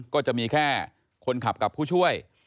ก็จะมีแค่คนขับกับผู้ช่วย